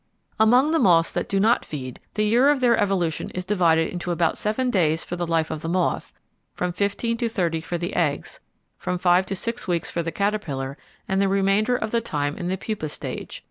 Among the moths that do not feed, the year of their evolution is divided into about seven days for the life of the moth, from fifteen to thirty for the eggs, from five to six weeks for the caterpillar and the remainder of the time in the pupa stage.